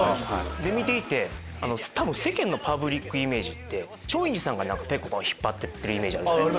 で見ていて多分パブリックイメージって松陰寺さんがぺこぱを引っ張るイメージある。